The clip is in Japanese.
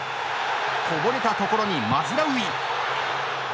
こぼれたところにマズラウイ！